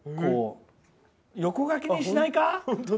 横書きにしないか？